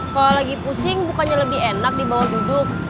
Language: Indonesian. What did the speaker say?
kalo lagi pusing bukannya lebih enak dibawa duduk